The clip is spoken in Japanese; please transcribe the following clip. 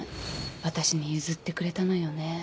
私に譲ってくれたのよね。